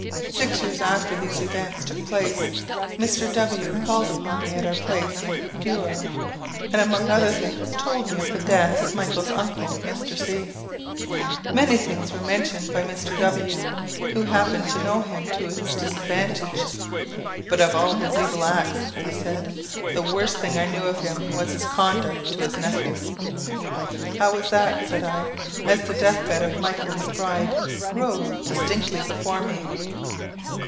Six years after these events took place, Mr. W called upon me at our place in Douro, and among other things told me of the death of Michael's uncle, Mr. C . Many things were mentioned by Mr. W , who happened to know him, to his disadvantage. "But of all his evil acts," he said, "the worst thing I knew of him was his conduct to his nephew." "How was that?" said I, as the death bed of Michael Macbride rose distinctly before me.